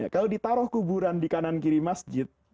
kalau ditaruh kuburan di kanan kiri masjid